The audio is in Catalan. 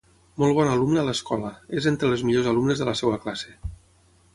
Molt bona alumna a l'escola, és entre les millors alumnes de la seva classe.